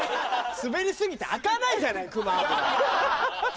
滑り過ぎて開かないじゃない熊油！